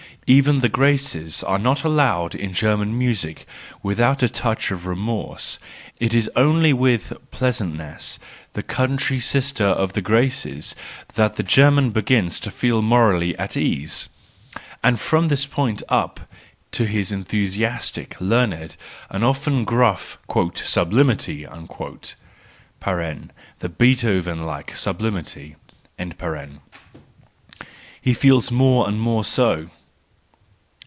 Even the Graces are not allowed in German music without a touch of remorse; it is only with Pleasantness, the country sister of the Graces that the German begins to feel morally at ease—and from this point up to his enthusiastic, learned, and often gruff " sublimity" (the Beethoven like sublimity), he feels more and more so.